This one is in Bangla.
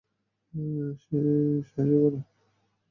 হেই, সাহায্য করো!